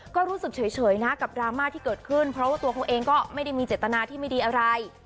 ก็รู้สึกเฉยนะกับดราม่าที่เกิดขึ้นเพราะว่าตัวเขาเองก็ไม่ได้มีเจตนาที่ไม่ดีอะไร